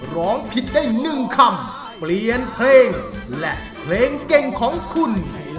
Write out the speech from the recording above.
ร้องผิดได้๑คำเปลี่ยนเพลงและเพลงเก่งของคุณ